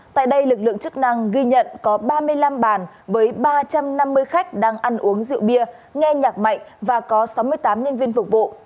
tại đây lực lượng chức năng ghi nhận có ba mươi năm bàn với ba trăm năm mươi khách đang ăn uống rượu bia nghe nhạc mạnh và có sáu mươi tám nhân viên phục vụ